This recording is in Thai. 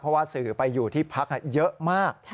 เพราะว่าสื่อไปอยู่ที่พักเยอะมาก